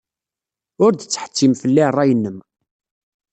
Ur d-ttḥettim fell-i ṛṛay-nnem.